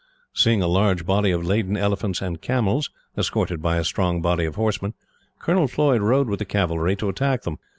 Seeing a large body of laden elephants and camels, escorted by a strong body of horsemen, Colonel Floyd rode with the cavalry to attack them.